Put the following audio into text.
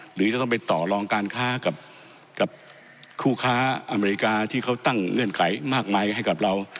หรือจะต้องไปต่อรองการค้ากับคู่ค้าอเมริกาที่เขาตั้งเงื่อนไขมากมายให้กับเรา